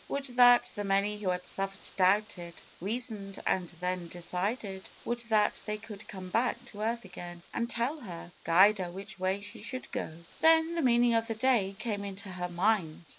Would that the many who had suiStered, doubt ed, reasoned, and then decided — would that they could come back to earth again and tell her, guide her which way she should go ! Then the meaning of the day came into her mind.